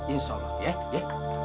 insya allah ya